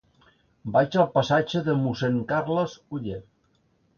Vaig al passatge de Mossèn Carles Oller.